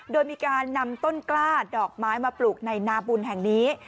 โดยมีการนำต้นกล้าดอกไม้มาปลูกในนาบุญแห่งนี้